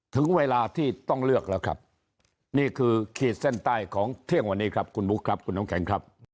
ถึงเวลาที่ต้องเลือกแล้วครับนี่คือขีดเส้นใต้ของเที่ยงวันนี้ครับคุณบุ๊คครับคุณน้ำแข็งครับ